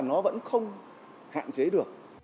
nó vẫn không hạn chế được